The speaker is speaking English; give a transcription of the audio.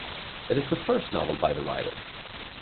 It is the first novel by the writer.